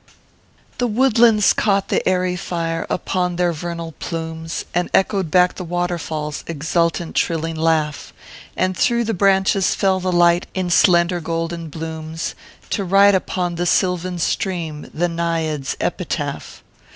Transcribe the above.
The woodlands caught the airy fire upon their vernal plumes, And echoed back the waterfall s exultant, trilling laugh, And through the branches fell the light in slender golden blooms To write upon the sylvan stream the Naiad s epitaph.